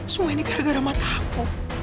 semua ini gara gara mata aku